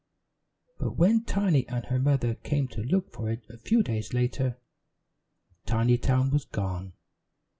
But when Tiny and her mother came to look for it a few days later, Tinytown was gone.